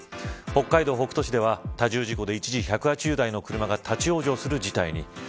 北海道北斗市では多重事故で一時１８０台の車が立ち往生する事態に。